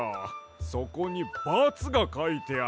そこにバツがかいてある。